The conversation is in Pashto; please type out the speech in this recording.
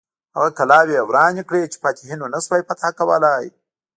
هغه کلاوې یې ورانې کړې چې فاتحینو نه سوای فتح کولای.